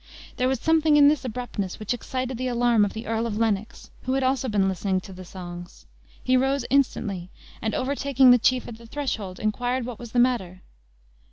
There was something in this abruptness which excited the alarm of the Earl of Lennox, who had also been listening to the songs; he rose instantly, and overtaking the chief at the threshold, inquired what was the matter?